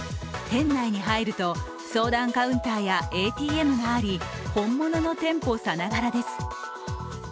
店内に入ると、相談カウンターやＡＴＭがあり本物の店舗さながらです。